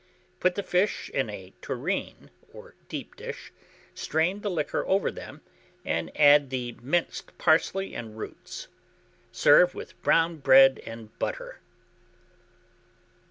Put the fish in a tureen or deep dish, strain the liquor over them, and add the minced parsley and roots. Serve with brown bread and butter.